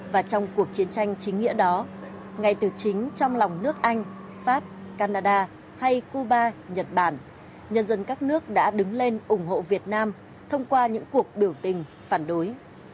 và trong cuộc chiến tranh chính nghĩa đó ngay từ chính trong lòng nước anh pháp canada hay cuba nhật bản nhân dân các nước đã đứng lên ủng hộ việt nam thông qua những cuộc biểu tình phản đối